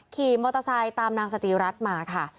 ขี่มอเตอร์ไซค์ตามนางสจีรัฐมาค่ะ